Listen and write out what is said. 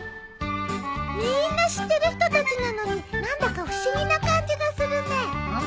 みんな知ってる人たちなのに何だか不思議な感じがするね。